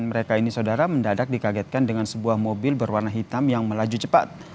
mereka ini saudara mendadak dikagetkan dengan sebuah mobil berwarna hitam yang melaju cepat